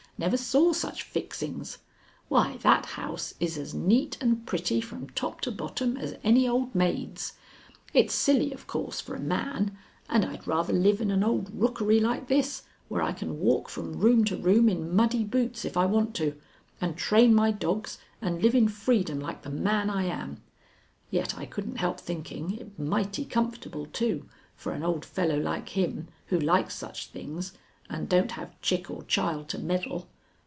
Never saw such fixings. Why, that house is as neat and pretty from top to bottom as any old maid's. It's silly, of course, for a man, and I'd rather live in an old rookery like this, where I can walk from room to room in muddy boots if I want to, and train my dogs and live in freedom like the man I am. Yet I couldn't help thinking it mighty comfortable, too, for an old fellow like him who likes such things and don't have chick or child to meddle.